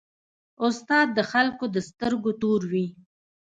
استاد د خلکو د سترګو تور وي.